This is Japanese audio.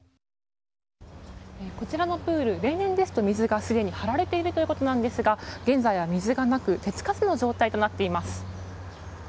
こちらのプール、例年ですと水がすでに張られているということですが現在は水がなく手つかずの状態となっています。